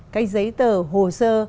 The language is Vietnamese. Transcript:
cái giấy tờ hồ sơ